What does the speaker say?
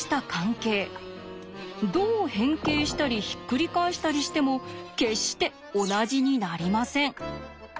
どう変形したりひっくり返したりしても決して同じになりません。